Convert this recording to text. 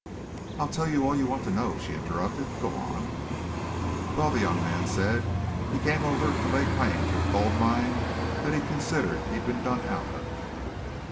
"I'll tell you all you want to know," she interrupted. "Go on." "Well," the young man said, "he came over to lay claim to a gold mine that he considered he'd been done out of."